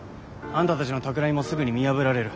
あんたたちのたくらみもすぐに見破られる。